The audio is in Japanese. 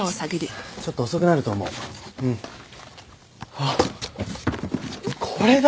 あっこれだ！